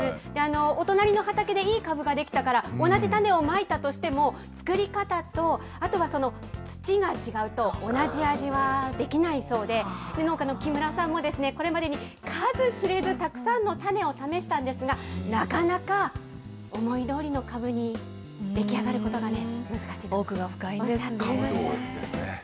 お隣の畑でいいかぶが出来たから、同じ種をまいたとしても、作り方と、あとは土が違うと、同じ味はできないそうで、農家の木村さんもこれまでに数知れずたくさんの種を試したんですが、なかなか思いどおりのかぶに出来上がることがなかった。